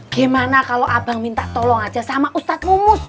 gimana kalau abang minta tolong aja sama ustadz mumut